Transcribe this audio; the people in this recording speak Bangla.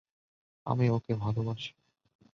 আমি ওকে ভালোবাসি!